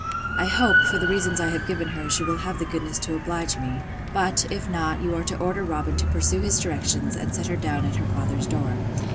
I hope, for the reasons I have given her, she will have the goodness to oblige me. But, if not, you are to order Robin to pursue his directions, and set her down at her father's door.